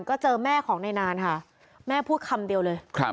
ก็เจอแม่ของนายนานค่ะแม่พูดคำเดียวเลยครับ